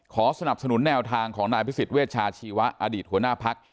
สนับสนุนแนวทางของนายอภิษฎเวชาชีวะอดีตหัวหน้าพัก